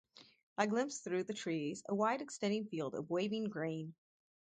I glimpsed through the trees a wide extending field of waving grain.